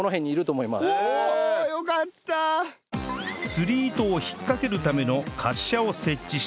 釣り糸を引っかけるための滑車を設置したら